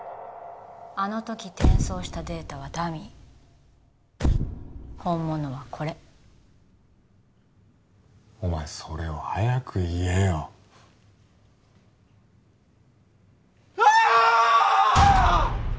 あのとき転送したデータはダミー本物はこれお前それを早く言えよああっ！